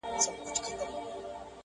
په والله چي ته هغه یې بل څوک نه یې،